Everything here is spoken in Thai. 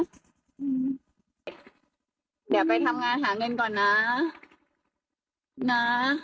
เดี๋ยวไปทำงานหาเงินก่อนนะนะ